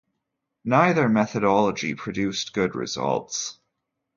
Neither methodology produced good results.